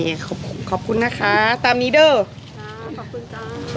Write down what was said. อ่ะโอเคขอบคุณขอบคุณขอบคุณนะคะตามนี้เด้ออ่าขอบคุณจ้ะ